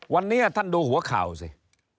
วันนี้ท่านดูหัวข่าวสิ